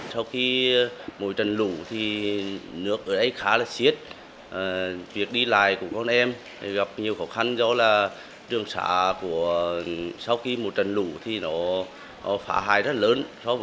các em muốn đi học nhưng nước to lù lụt đi không được vì trời mưa